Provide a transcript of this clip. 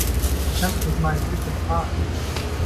Du kannst mich mal ein Stückchen tragen.